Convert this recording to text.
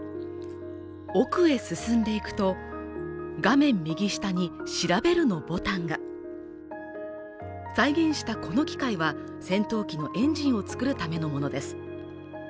奥へ進んでいくと画面右下に「しらべる」のボタンが再現したこの機械は戦闘機のエンジンを作るためのものです